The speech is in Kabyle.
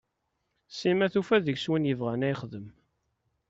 Sima tufa deg-s win yebɣan a yexdem.